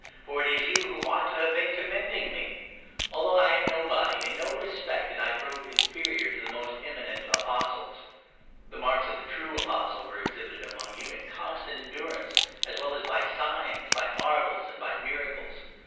For it is you who ought to have been commending me ! Although I am nobody, in no respect did I prove inferior to the most eminent Apostles. The marks 12 of the true Apostle were exhibited among you in constant endurance, as well as by signs, by marvels, and by miracles.